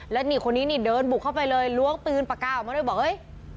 แล้วนี่คนนี้นี่เดินบุกเข้าไปเลยล้วงปืนปากกาออกมาด้วยบอกเฮ้ย